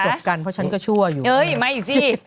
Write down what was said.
กันเพราะฉันก็ชั่วอยู่เอ้ยมาอีกสิ